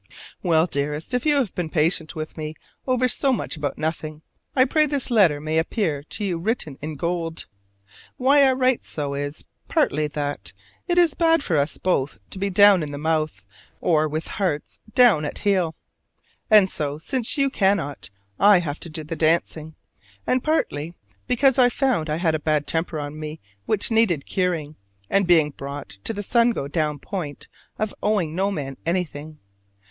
Well, dearest, if you have been patient with me over so much about nothing, I pray this letter may appear to you written in gold. Why I write so is, partly, that, it is bad for us both to be down in the mouth, or with hearts down at heel: and so, since you cannot, I have to do the dancing; and, partly, because I found I had a bad temper on me which needed curing, and being brought to the sun go down point of owing no man anything.